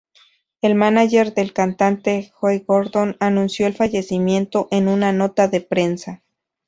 El mánager del cantante, Joe Gordon, anunció el fallecimiento en una nota de prensa.